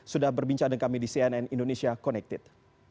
sudah berbincang dengan kami di cnn indonesia connected